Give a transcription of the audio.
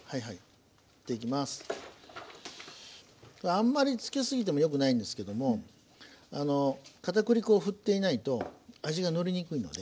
あんまり付けすぎてもよくないんですけどもかたくり粉を振っていないと味がのりにくいので。